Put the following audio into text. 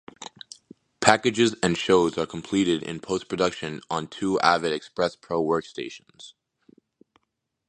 Packages and shows are completed in post-production on two Avid Xpress Pro workstations.